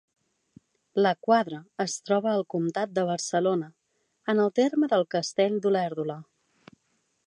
La quadra es troba al comtat de Barcelona, en el terme del castell d'Olèrdola.